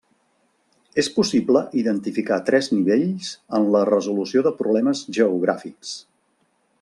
És possible identificar tres nivells en la resolució de problemes geogràfics.